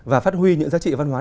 và phát huy những giá trị văn hóa